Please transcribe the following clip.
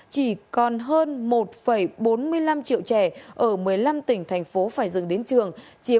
chỉ còn hơn một bốn mươi năm triệu trẻ ở một mươi năm tỉnh thành phố phải dừng đến trường